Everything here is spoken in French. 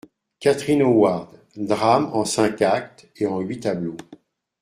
=Catherine Howard.= Drame en cinq actes et en huit tableaux.